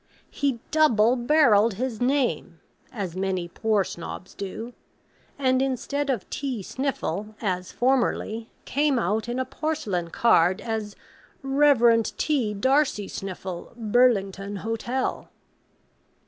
He DOUBLE BARRELLED his name, (as many poor Snobs do,) and instead of T. Sniffle, as formerly, came out, in a porcelain card, as Rev. T. D'Arcy Sniffle, Burlington Hotel.